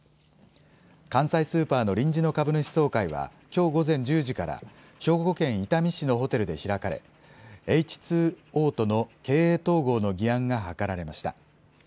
関西スーパーの臨時の株主総会は、きょう午前１０時から、兵庫県伊丹市のホテルで開かれ、エイチ・ツー・オーとの経営統合の議案が諮られました。